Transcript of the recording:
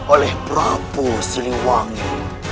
oleh prabu sriwangi